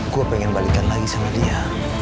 gue pengen balikan lagi sama dia